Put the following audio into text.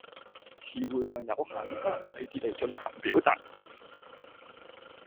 辭彙量有限，不能細致地進行表達